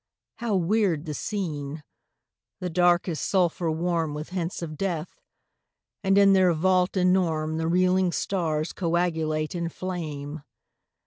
How weird the scene! The Dark is sulphur warm With hints of death; and in their vault enorme The reeling stars coagulate in flame.